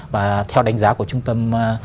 và theo đánh giá của trung tâm